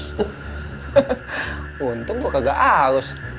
hehehe untung gua kagak haus